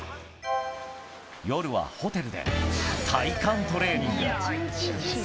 夜はホテルで体幹トレーニング。